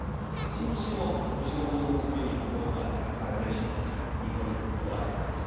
新吉も年頃の娘にほほ笑まれたらこれはうれしいですからニコリと笑い返す。